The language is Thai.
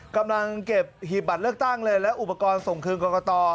กำลังเก็บหีบบัตรเลือกตั้งเลยและอุปกรณ์ส่งคืนกรกต